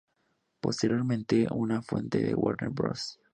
Posteriormente, una fuente de Warner Bros.